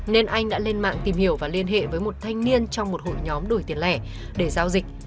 nên anh đã lên mạng tìm hiểu và liên hệ với một thanh niên trong một hội nhóm đổi tiền lẻ để giao dịch